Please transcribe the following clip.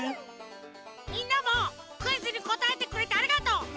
みんなもクイズにこたえてくれてありがとう。